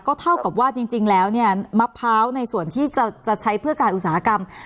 เท่ากับว่าจริงแล้วเนี่ยมะพร้าวในส่วนที่จะใช้เพื่อการอุตสาหกรรม